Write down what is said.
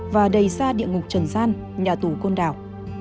và đầy ra địa ngục trần gian nhà tù côn đảo